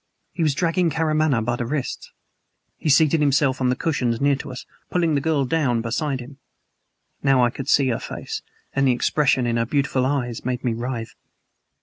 He was dragging Karamaneh by the wrists. He seated himself on the cushions near to us, pulling the girl down beside him. Now, I could see her face and the expression in her beautiful eyes made me writhe.